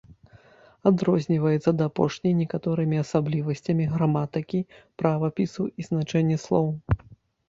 Адрозніваецца ад апошняй некаторымі асаблівасцямі граматыкі, правапісу і значэння слоў.